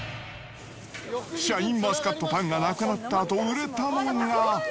シャインマスカットパンがなくなったあと、売れたのが。